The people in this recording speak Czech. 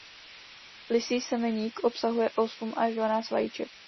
Lysý semeník obsahuje osm až dvanáct vajíček.